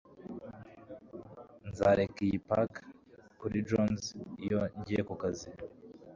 nzareka iyi pack kuri jones 'iyo ngiye kukazi